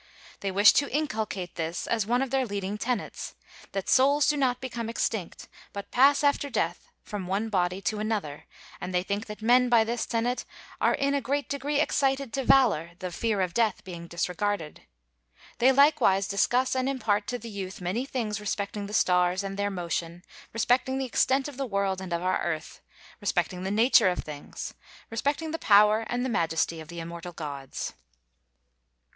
They wish to inculcate this as one of their leading tenets: that souls do not become extinct, but pass after death from one body to another; and they think that men by this tenet are in a great degree excited to valor, the fear of death being disregarded. They likewise discuss and impart to the youth many things respecting the stars and their motion; respecting the extent of the world and of our earth; respecting the nature of things; respecting the power and the majesty of the immortal gods.